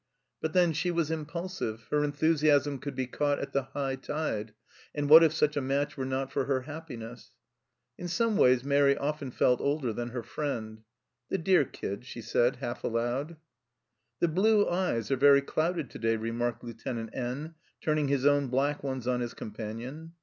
But then she was impulsive, her enthusiasm could be caught at the high tide, and what if such a match were not for her happiness ? In some ways Mairi often felt older than her friend. " The dear kid !" she said half aloud. " The blue eyes are very clouded to day," re marked Lieutenant N , turning his own black ones on his companion.